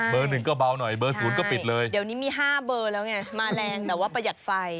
หนึ่งก็เบาหน่อยเบอร์ศูนย์ก็ปิดเลยเดี๋ยวนี้มี๕เบอร์แล้วไงมาแรงแต่ว่าประหยัดไฟ